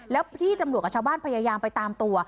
แล้วพี่ตำรวจกับชาวบ้านพยายามไปตามตัว